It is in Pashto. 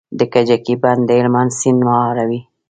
د کجکي بند د هلمند سیند مهاروي